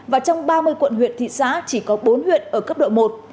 và trong ba mươi quận huyện thị xã chỉ có bốn huyện ở cấp độ một